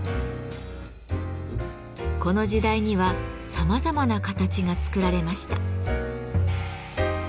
この時代にはさまざまな形が作られました。